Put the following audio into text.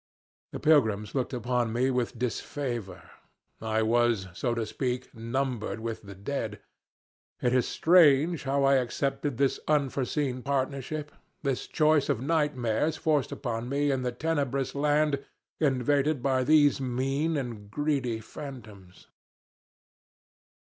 The pilgrims looked upon me with disfavor. I was, so to speak, numbered with the dead. It is strange how I accepted this unforeseen partnership, this choice of nightmares forced upon me in the tenebrous land invaded by these mean and greedy phantoms.